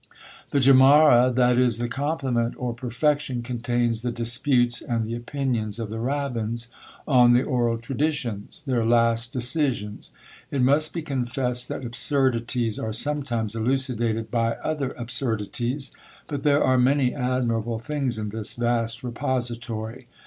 The GEMARA, that is, the complement or perfection, contains the DISPUTES and the OPINIONS of the RABBINS on the oral traditions. Their last decisions. It must be confessed that absurdities are sometimes elucidated by other absurdities; but there are many admirable things in this vast repository.